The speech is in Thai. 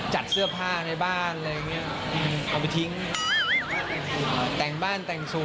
จัดเสื้อผ้าในบ้าน